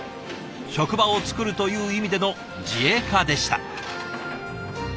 「職場を創る」という意味での自営化でした。